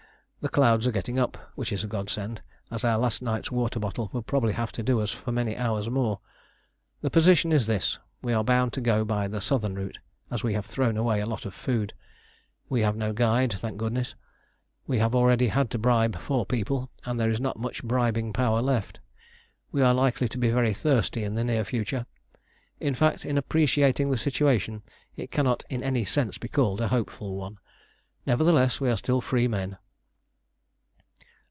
The clouds are getting up, which is a godsend, as our last night's water bottle will probably have to do us for many hours more. The position is this: we are bound to go by the southern route, as we have thrown away a lot of food. We have no guide, thank goodness. We have already had to bribe four people, and there is not much bribing power left. We are likely to be very thirsty in the near future. In fact, in appreciating the situation it cannot in any sense be called a hopeful one. Nevertheless, we are still free men!"